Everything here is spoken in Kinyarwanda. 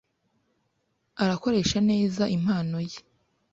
Akoresha neza impano ye.